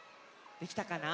できたかな？